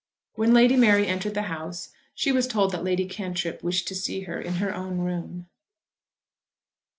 When Lady Mary entered the house she was told that Lady Cantrip wished to see her in her own room.